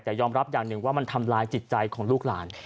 แต่ยอมรับอย่างหนึ่งว่ามันทำลายจิตใจของลูกหลาน